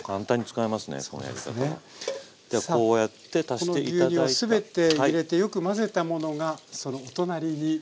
この牛乳を全て入れてよく混ぜたものがそのお隣に。